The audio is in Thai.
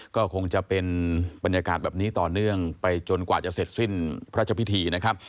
ก็คงจะเป็นบรรยากาศแบบนี้ต่อเนื่องไปจนกว่าจะเสร็จสิ้นพระเจ้าพิธีนะครับ